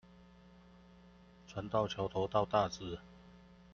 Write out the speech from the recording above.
船過橋頭到大直